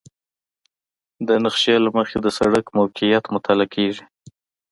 د نقشې له مخې د سړک موقعیت مطالعه کیږي